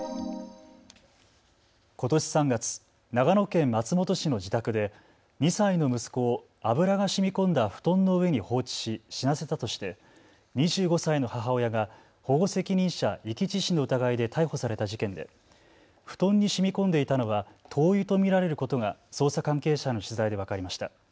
ことし３月、長野県松本市の自宅で２歳の息子を油がしみこんだ布団の上に放置し死なせたとして２５歳の母親が保護責任者遺棄致死の疑いで逮捕された事件で布団にしみこんでいたのは灯油と見られることが捜査関係者への取材で分かりました。